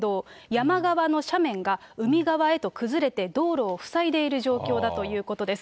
山側の斜面が海側へと崩れて、道路を塞いでいる状況だということです。